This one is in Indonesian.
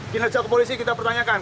kinerja kepolisi kita pertanyakan